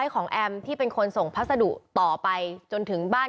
รวมถึงเมื่อวานี้ที่บิ๊กโจ๊กพาไปคุยกับแอมท์ท่านสถานหญิงกลาง